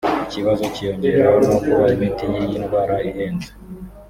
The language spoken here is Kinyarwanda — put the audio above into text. Iki kibazo cyiyongeraho no kuba imiti y’iyi ndwara ihenze